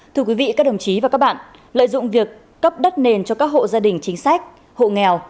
thưa quý vị các đồng chí và các bạn lợi dụng việc cấp đất nền cho các hộ gia đình chính sách hộ nghèo